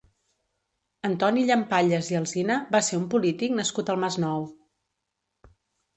Antoni Llampallas i Alsina va ser un polític nascut al Masnou.